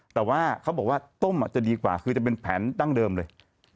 แต่ว่าเขาบอกว่าต้มจะดีกว่าคือจะเป็นแผนดั้งเดิมเลย